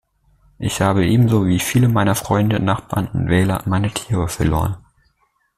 Ich habe ebenso wie viele meiner Freunde, Nachbarn und Wähler meine Tiere verloren.